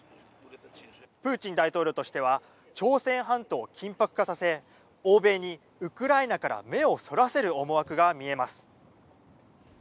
プーチン大統領としては朝鮮半島を緊迫させ欧米にウクライナから目をそらさせる思惑が見えます。